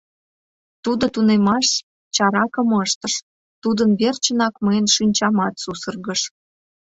Тудо тунемаш чаракым ыштыш, тудын верчынак мыйын шинчамат сусыргыш.